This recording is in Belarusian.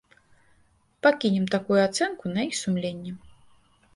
Пакінем такую ацэнку на іх сумленні.